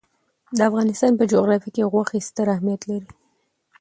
د افغانستان په جغرافیه کې غوښې ستر اهمیت لري.